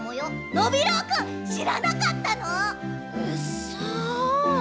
ノビローくんしらなかったの⁉うっそ！